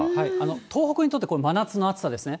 東北にとって、これ、真夏の暑さですね。